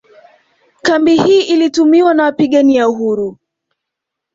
Kambi hii ilitumiwa na wapiagania uhuru